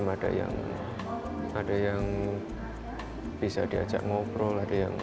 masa masa ada yang bisa diajak ngobrol